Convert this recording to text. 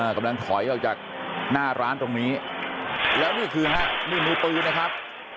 กำลังถอยออกจากหน้าร้านตรงนี้แล้วนี่คือฮะนี่มือปืนนะครับ